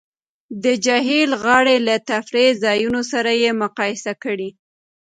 د جهیل غاړې له تفریح ځایونو سره یې مقایسه کړئ